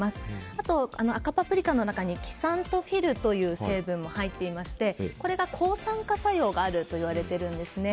あと赤パプリカの中にキサントフィルという成分も入っていましてこれが抗酸化作用があるといわれているんですね。